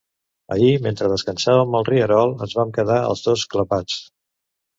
Ahir, mentre descansàvem al rierol ens vam quedar els dos clapats.